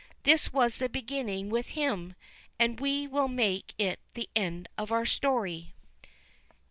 This was the beginning with him, and we will make it the end of our story.